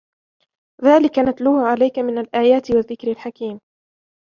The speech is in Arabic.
ذَلِكَ نَتْلُوهُ عَلَيْكَ مِنَ الْآيَاتِ وَالذِّكْرِ الْحَكِيمِ